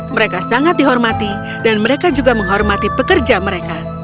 mereka sangat dihormati dan mereka juga menghormati pekerja mereka